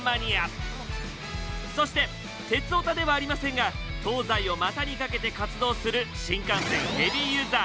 そして鉄オタではありませんが東西をまたにかけて活動する新幹線ヘビーユーザー